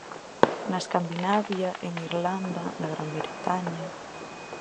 Na Escandinavia, en Irlanda, na Gran Bretaña...